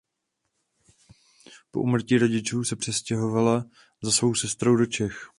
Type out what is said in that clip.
Po úmrtí rodičů se přestěhovala za svou sestrou do Čech.